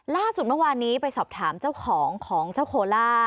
ล่าสุดเมื่อวานนี้ไปสอบถามเจ้าของของเจ้าโคล่า